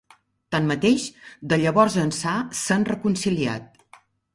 Tanmateix, de llavors ençà s'han reconciliat.